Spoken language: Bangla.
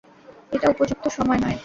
এটা উপযুক্ত সময় নয়।